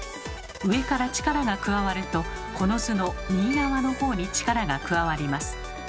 上から力が加わるとこの図の右側のほうに力が加わります。